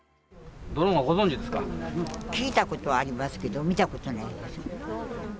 聞いたことはありますけど、見たことはないです。